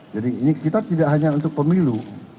jadi ini kita tidak hanya untuk pemilu